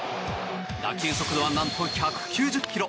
打球速度はなんと１９０ｋｍ。